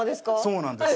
そうなんです。